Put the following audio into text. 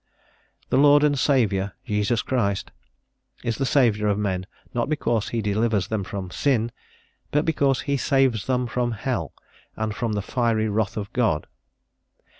"The Lord and Saviour, Jesus Christ" is the Saviour of men, not because he delivers them from sin, but "because he saves them from hell, and from the fiery wrath of God."